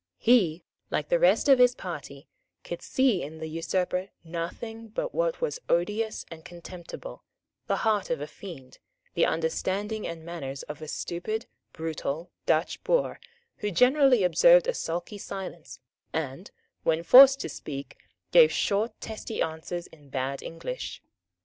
He, like the rest of his party, could see in the usurper nothing but what was odious and contemptible, the heart of a fiend, the understanding and manners of a stupid, brutal, Dutch boor, who generally observed a sulky silence, and, when forced to speak, gave short testy answers in bad English.